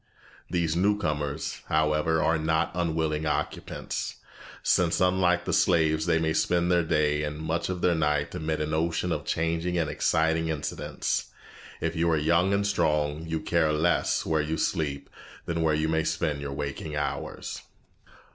These new comers, however, are not unwilling occupants, since unlike the slaves they may spend their day and much of their night amid an ocean of changing and exciting incidents. If you are young and strong, you care less where you sleep than where you may spend your waking hours.